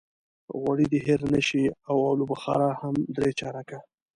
غوړي دې هېر نه شي او الوبخارا هم درې چارکه.